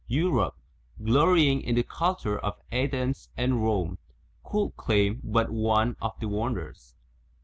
Europe, glorying in the culture of Athens and Rome, could claim but one of the wonders.